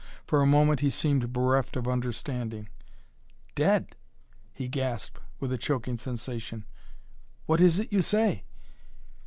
For a moment he seemed bereft of understanding. "Dead?" he gasped with a choking sensation. "What is it you say?"